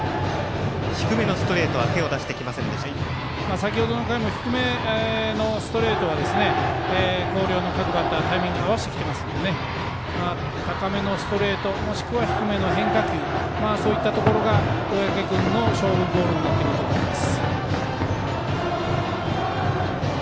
先ほどの回も低めのストレートは広陵の各バッタータイミング合わせてきてますので高めのストレートもしくは低めの変化球そういったところが小宅君の勝負ボールになってくると思います。